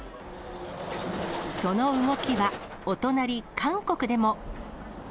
その動きはお隣、韓国でも。